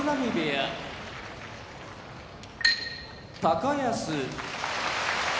高安